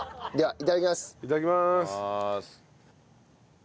いただきます。